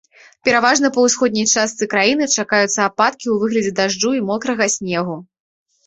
Пераважна па ўсходняй частцы краіны чакаюцца ападкі ў выглядзе дажджу і мокрага снегу.